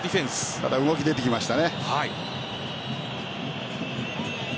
ただ、動きが出てきましたね。